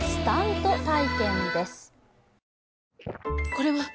これはっ！